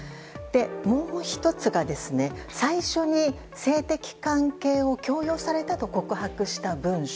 もう１つが最初に性的関係を強要されたと告白した文書